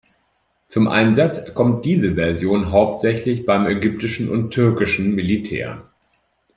Zum Einsatz kommt diese Version hauptsächlich beim ägyptischen und türkischen Militär.